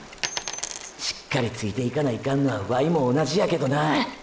しっかりついていかないかんのはワイも同じやけどな！！